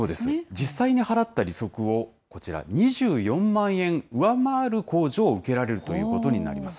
実際に払った利息をこちら、２４万円上回る控除を受けられるということになります。